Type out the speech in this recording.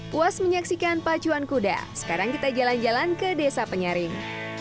puas menyaksikan pacuan kuda sekarang kita jalan jalan ke desa penyaring